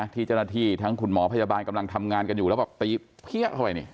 ที่จรฐีทั้งคุณหมอพยาบาลกำลังทำงานกันอยู่แล้วตีเพี้ยเข้าไว้